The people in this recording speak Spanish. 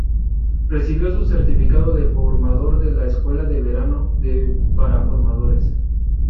Recibió su certificado de Formador de la Escuela de Verano de para formadores.